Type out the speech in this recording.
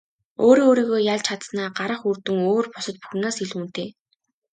Өөрөө өөрийгөө ялж чадсанаа гарах үр дүн өөр бусад бүх юмнаас илүү үнэтэй.